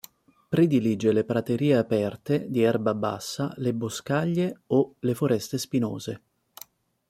Predilige le praterie aperte di erba bassa, le boscaglie o le foreste spinose.